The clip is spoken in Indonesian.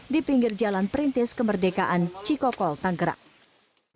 di pinggir jalan perintis kemerdekaan cikokol tanggerang